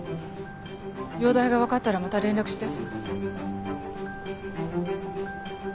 容体が分かったらまた連絡して。